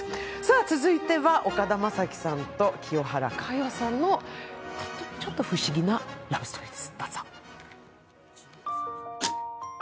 続いては岡田将生さんと清原果耶さんのちょっと不思議なラブストーリーです。